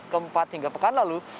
keempat hingga pekan lalu